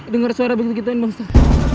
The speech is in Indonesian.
dengar suara begitu begituin bang ustaz